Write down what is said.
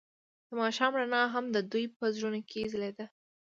د ماښام رڼا هم د دوی په زړونو کې ځلېده.